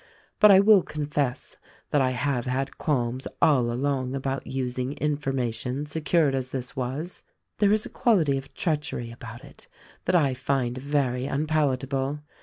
But I will confess that I have had qualms all along about using information secured as this was. There is a quality of treachery about it that I find very unpalatable.